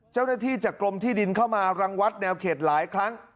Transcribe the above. เจ้าหน้าที่จากกรมที่ดินเข้ามารังวัดแนวเขตหลายครั้ง